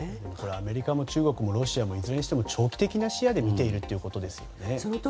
アメリカもロシアも中国もいずれにしても長期的な視野で見ているということですね。